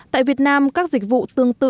tại việt nam các dịch vụ tương tự cũng đã xuất hiện